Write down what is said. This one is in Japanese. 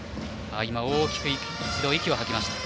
大きく息を吐きました。